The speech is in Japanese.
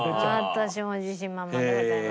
私も自信満々でございます。